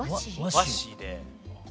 和紙で。